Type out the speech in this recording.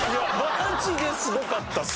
マジですごかったっす。